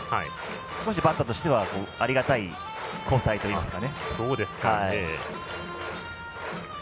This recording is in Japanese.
少しバッターとしてはありがたい交代というか。